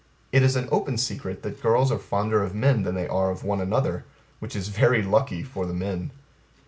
It is an open secret that girls are fonder of men than they are of one another which is very lucky for the men.